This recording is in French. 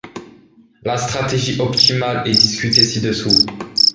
La stratégie optimale est discutée ci-dessous.